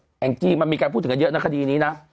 เรื่อยทิมมีการพูดถึงเยอะว่านักคดีนี้ละ